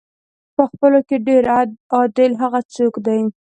په خپلو کې ډېر عادل هغه څوک دی.